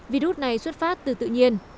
virus này xuất phát từ tự nhiên